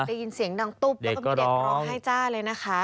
ได้ยินเสียงดังตุ๊บแล้วก็มีเด็กร้องไห้จ้าเลยนะคะ